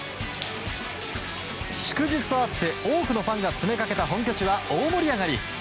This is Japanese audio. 祝日とあって多くのファンが詰めかけた本拠地は大盛り上がり。